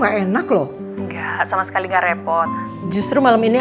rasa terus tetep mereka ni